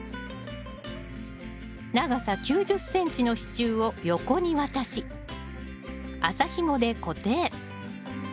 長さ９０ｃｍの支柱を横に渡し麻ひもで固定。